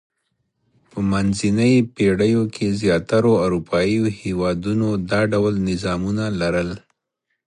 په منځنۍ پېړۍ کې زیاترو اروپايي هېوادونو دا ډول نظامونه لرل.